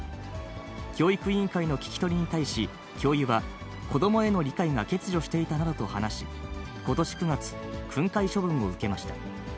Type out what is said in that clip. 教育委員会の聞き取りに対し教諭は、子どもへの理解が欠如していたなどと話し、ことし９月、訓戒処分を受けました。